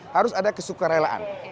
harus ada kesuka relaan